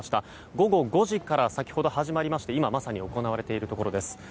午後５時から先ほど始まりまして今まさに行われているところです。